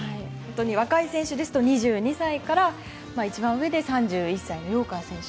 若い選手ですと２２歳から一番上で３１歳の陽川選手。